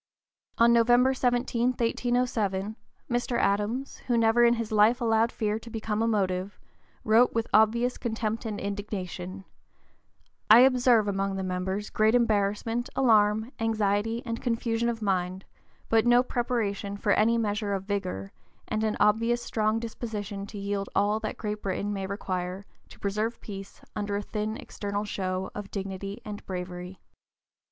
On November 17, 1807, Mr. Adams, who never in his life allowed fear to become a motive, wrote, with obvious contempt and indignation: "I observe among the members great embarrassment, alarm, anxiety, and confusion of mind, but no preparation for any measure of vigor, and an obvious strong disposition to yield all that Great Britain may (p. 049) require, to preserve peace, under a thin external show of dignity and bravery."